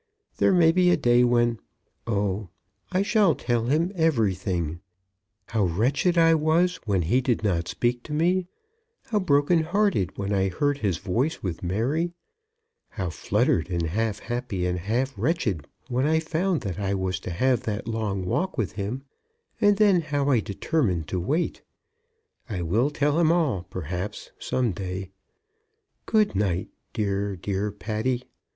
There may be a day when, oh, I shall tell him everything; how wretched I was when he did not speak to me; how broken hearted when I heard his voice with Mary; how fluttered, and half happy, and half wretched when I found that I was to have that long walk with him; and then how I determined to wait. I will tell him all, perhaps, some day. Good night, dear, dear Patty.